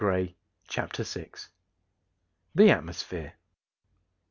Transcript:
AIR. CHAPTER VI. THE ATMOSPHERE.